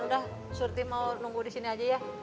udah surti mau nunggu di sini aja ya